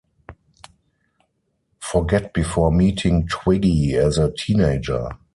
Forget before meeting Twiggy as a teenager.